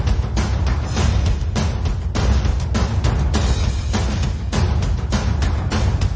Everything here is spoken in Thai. แต่ก็ไม่รู้ว่าจะมีใครอยู่ข้างหลัง